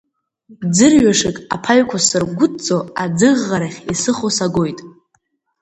Ӡырҩашык аԥаҩқәа сыргәыдҵо, аӡыӷӷарахь исыхо сагоит.